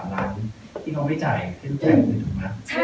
ที่เขาไม่ที่จะจ่ายที่เขาจะรั้วจ่ายทุก๊ะ